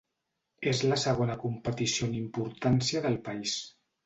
És la segona competició en importància del país.